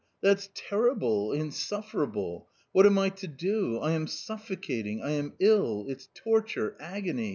— that's terrible, insufferable ! What am I to do ? I am suffocating, I am ill — it's torture, agony